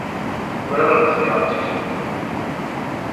Ur awent-d-ttgeɣ seksu.